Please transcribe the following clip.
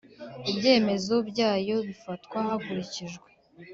Ibyemezo byayo bifatwa hakurikijwe